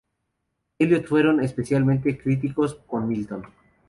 Eliot fueron especialmente críticos con Milton.